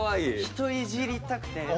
人いじりたくて。